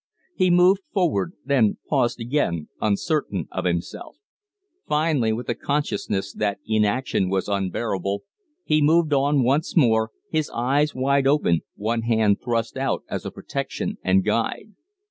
He moved forward, then paused again, uncertain of himself. Finally, with the consciousness that inaction was unbearable, he moved on once more, his eyes wide open, one hand thrust out as a protection and guide.